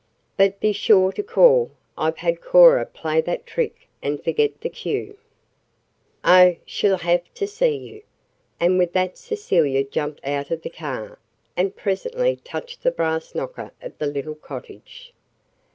But be sure to call. I've had Cora play that trick, and forget the cue." "Oh, she'll have to see you," and with that Cecilia jumped out of the car, and presently touched the brass knocker of the little cottage.